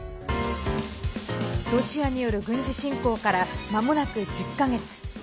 ロシアによる軍事侵攻からまもなく１０か月。